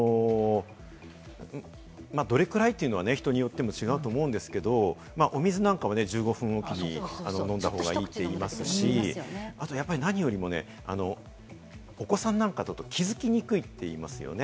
どれぐらいというのは人によっても違うと思うんですけれども、お水なんかは、１５分おきに飲んだ方がいいって言いますし、あと何よりもお子さんなんかだと気付きにくいって言いますよね。